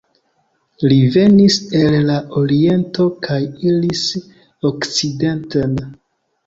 Li venis el la oriento kaj iris okcidenten.